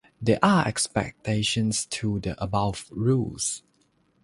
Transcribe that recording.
There are exceptions to the above rules.